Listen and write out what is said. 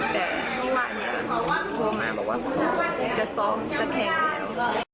แต่ถ้าอย่างนี้ตัวมาก็ว่าคงจะสอบจะแค่เวียว